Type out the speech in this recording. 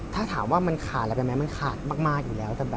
ถ้าถามว่ามันขาดอะไรไปไหมมันขาดมากอยู่แล้ว